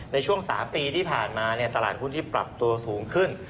ในช่วง๓ปีที่ผ่านมาตลาดหุ้นที่ปรับตัวสูงขึ้น